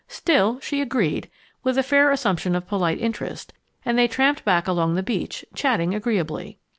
Still, she agreed, with a fair assumption of polite interest, and they tramped back along the beach, chatting agreeably.